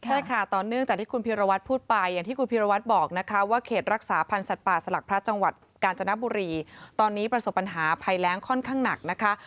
ใช่ค่ะต่อเนื่องจากที่คุณพิรวัตรพูดไปอย่างที่คุณพีรวัตรบอกนะคะว่าเขตรักษาพันธ์สัตว์ป่าสลักพระจังหวัดกาญจนบุรีตอนนี้ประสบปัญหาภัยแรงค่อนข้างหนักนะคะ